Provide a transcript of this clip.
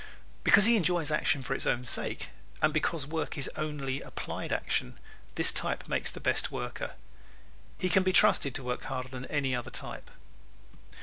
Because he enjoys action for its own sake and because work is only applied action, this type makes the best worker. He can be trusted to work harder than any other type.